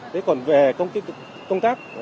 đấy còn về công tác